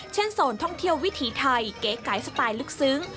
โซนท่องเที่ยววิถีไทยเก๋ไก๋สไตล์ลึกซึ้ง